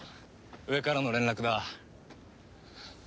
上からの連絡だ。